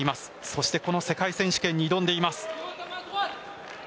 そしてこの世界選手権に挑んでいます。